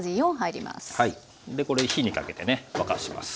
でこれ火にかけてね沸かします。